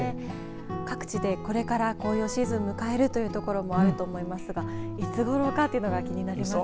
各地でこれから紅葉シーズン迎えるというところもあると思いますがいつごろかというのが気になりますね。